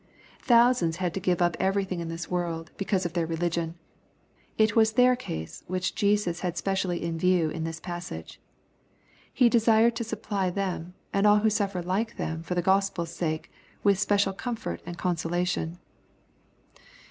Thousands had to give up everything in 8* 178 KXPOSITORT THOUGHTS. this world, because of their religion. It was their ease which Jesus had specially iu view in this passage. Ho desired to supply them, and all who suffer like them for the Gospel's sake, with special comfort and consolation.